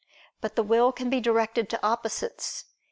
But the will can be directed to opposites.